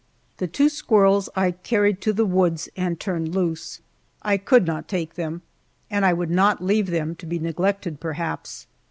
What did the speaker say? The two squirrels I carried to the woods and turned loose. I could not take them, and I would not leave them to be neglected perhaps.